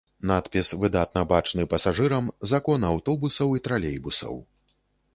Надпіс выдатна бачны пасажырам з акон аўтобусаў і тралейбусаў.